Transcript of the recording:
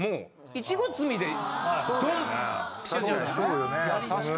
イチゴ摘みでドンピシャじゃないですか。